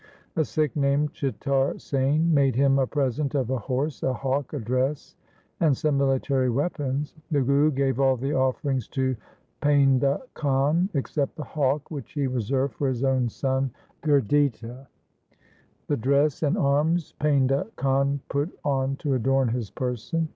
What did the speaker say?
A Sikh named Chitar Sain made him a present of a horse, a hawk, a dress, and some military weapons. The Guru gave all the offerings to Painda Khan except the hawk, which he reserved for his own son Gurditta. The dress and arms Painda Khan put on to adorn his person.